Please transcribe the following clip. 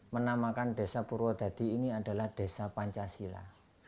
menamakan desa purwodadi ini adalah desa pancasila